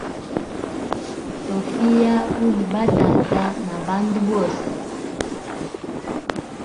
Tofiya uli ba tata na bandu bose.